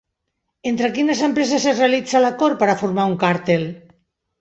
Entre quines empreses es realitza l'acord per a formar un càrtel?